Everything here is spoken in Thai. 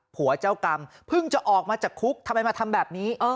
ผัวเจ้ากรรมเพิ่งจะออกมาจากคุกทำไมมาทำแบบนี้